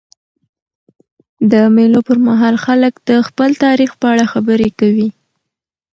د مېلو پر مهال خلک د خپل تاریخ په اړه خبري کوي.